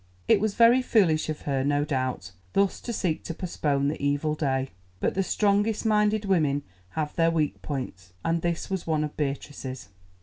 It was very foolish of her, no doubt, thus to seek to postpone the evil day, but the strongest minded women have their weak points, and this was one of Beatrice's.